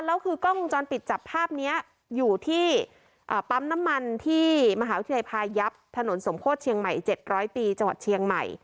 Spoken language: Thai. แล้วคือกล้องวงจรปิดจับภาพนี้อยู่ที่ปั๊มน้ำมันที่มหาวิทยาลัยพายับถนนสมโพธิเชียงใหม่๗๐๐ปีจังหวัดเชียงใหม่